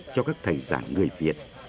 cho các thầy giảng người việt